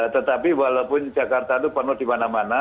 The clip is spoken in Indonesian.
tetapi walaupun jakarta itu penuh di mana mana